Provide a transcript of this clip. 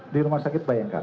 di rumah sakit bayangkara